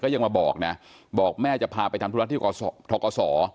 ยังมาบอกนะบอกแม่จะพาไปทำธุระที่ทกศ